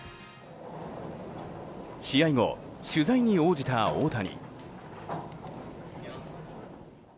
試合後、取材に応じた大谷。